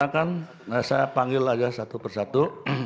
silakan saya panggil saja satu persatu